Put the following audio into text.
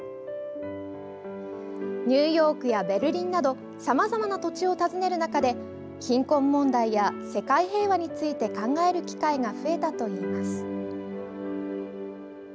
ニューヨークやベルリンなどさまざまな土地を訪ねる中で貧困問題や世界平和について考える機会が増えたといいます。